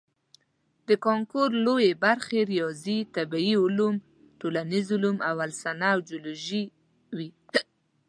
د کانکور لویې برخې ریاضي، طبیعي علوم، ټولنیز علوم او السنه او جیولوجي وي.